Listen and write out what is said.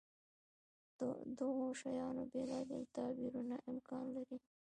دغو شیانو بېلابېل تعبیرونه امکان لري.